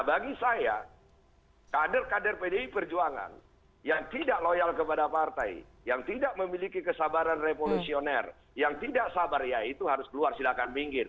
bagi saya kader kader pdi perjuangan yang tidak loyal kepada partai yang tidak memiliki kesabaran revolusioner yang tidak sabar ya itu harus keluar silahkan minggir